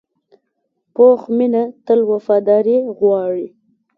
پوخ مینه تل وفاداري غواړي